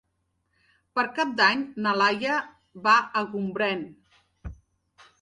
Per Cap d'Any na Laia va a Gombrèn.